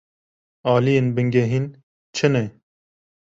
Aliyên bingehîn çi ne?